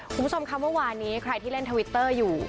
คุณผู้ชมค่ะเมื่อวานนี้ใครที่เล่นทวิตเตอร์อยู่